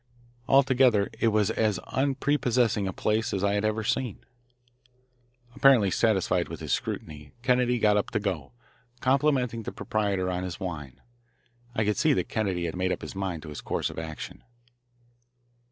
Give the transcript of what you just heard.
Altogether it was as unprepossessing a place as I had ever seen. Apparently satisfied with his scrutiny, Kennedy got up to go, complimenting the proprietor on his wine. I could see that Kennedy had made up his mind as to his course of action.